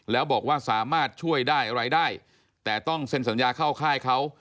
แล้วบอกว่าสามารถช่วยได้อะไรได้แต่ต้องเซ็นสัญญาเข้าค่ายเขา